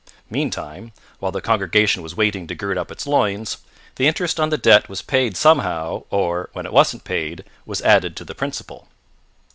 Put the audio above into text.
Meantime, while the congregation was waiting to gird up its loins, the interest on the debt was paid somehow, or, when it wasn't paid, was added to the principal.